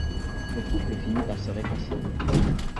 Le couple finit par se réconcilier.